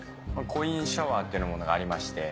コインシャワーっていうものがありまして。